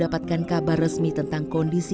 ya udah selera akulah nanti bisa